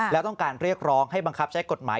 แล้วต้องการเรียกร้องให้บังคับใช้กฎหมาย